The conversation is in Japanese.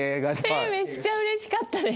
えめっちゃ嬉しかったです。